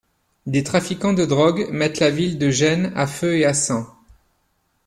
Des trafiquants de drogue mettent la ville de Gênes à feu et à sang.